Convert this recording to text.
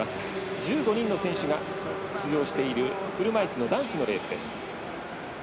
１５人の選手が出場している車いすの男子のレース。